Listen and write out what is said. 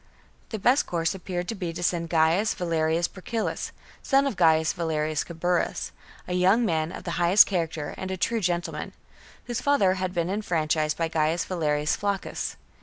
The best course appeared to be to send Gaius Valerius Procillus/ son of Gaius Valerius Caburus, a young man of the highest character and a true gentleman, whose father had been enfranchised by Gaius Valerius Flaccus.